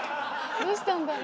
どうしたんだろう？